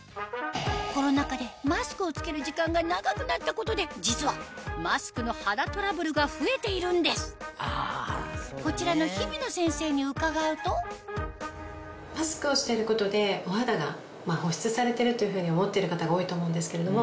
コロナ禍でマスクを着ける時間が長くなったことで実はマスクの肌トラブルが増えているんですこちらの日比野先生に伺うとマスクをしてることでお肌が保湿されてるというふうに思ってる方が多いと思うんですけれども。